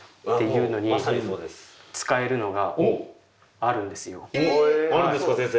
あるんですか先生！